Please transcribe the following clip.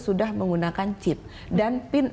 sudah menggunakan chip dan pin enam digit